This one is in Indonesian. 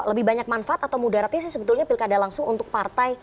lebih banyak manfaat atau mudaratnya sih sebetulnya pilkada langsung untuk partai